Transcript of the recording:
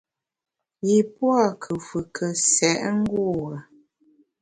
Yi pua’ nkùfùke sèt ngure.